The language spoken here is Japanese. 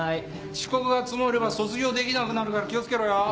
遅刻が積もれば卒業できなくなるから気を付けろよ。